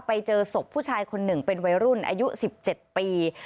ไปเจอศพผู้ชายคนหนึ่งเป็นวัยรุ่นอายุ๑๗ปี